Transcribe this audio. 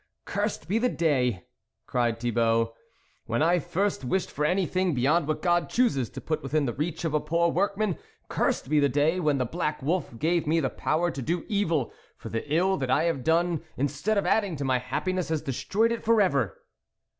" Cursed be the day !" cried Thibault, " when I first wished for anything be yond what God chooses to put within the reach of a poor workman! Cursed be the day when the black wolf gave me the power to do evil, for the ill that I have done, instead of adding to my happiness, has destroyed it for ever